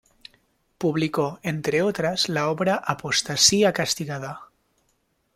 Publicó, entre otras, la obra "Apostasía castigada".